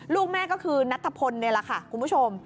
ลูกแม่ก็คือนัทพลนี่แหละค่ะคุณผู้ชม